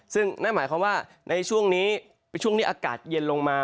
ซึ่งนั่นหมายความว่าในช่วงนี้ช่วงนี้อากาศเย็นลงมา